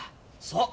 そう！